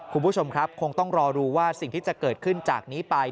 คุณผู้ชมครับคงต้องรอดูว่าสิ่งที่จะเกิดขึ้นจากนี้ไป